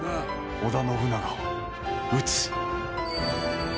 織田信長を討つ。